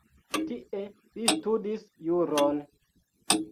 Tie li studis juron.